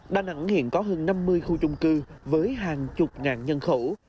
đà nẵng hiện có hơn năm mươi khu chung cư với hàng chục ngàn nhân khẩu